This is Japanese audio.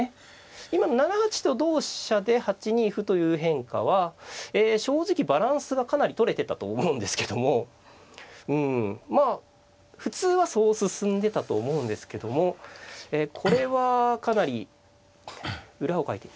今７八と同飛車で８ニ歩という変化は正直バランスがかなりとれてたと思うんですけどもうんまあ普通はそう進んでたと思うんですけどもえこれはかなり裏をかいて。